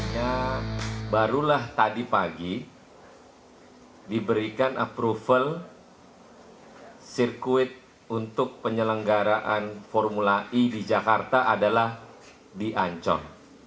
ya barulah tadi pagi diberikan approval sirkuit untuk penyelenggaraan formula e di jakarta adalah di ancol